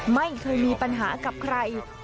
ไม่เคยมีปัญหากับใคร